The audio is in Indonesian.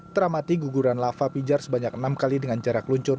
teramati guguran lava pijar sebanyak enam kali dengan jarak luncur